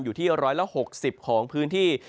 อยู่ที่๑๖๐ของพื้นที่